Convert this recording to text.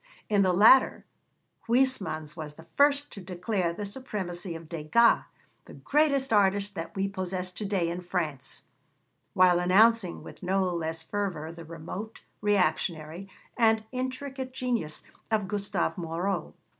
In the latter, Huysmans was the first to declare the supremacy of Degas 'the greatest artist that we possess to day in France' while announcing with no less fervour the remote, reactionary, and intricate genius of Gustave Moreau.